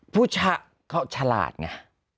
ผู้ชะเขาฉลาดไง